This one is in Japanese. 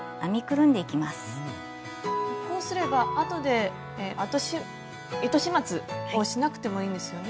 こうすればあとで糸始末をしなくてもいいんですよね。